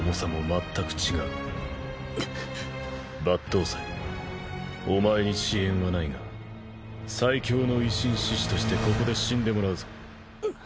抜刀斎お前に私怨はないが最強の維新志士としてここで死んでもらうぞ。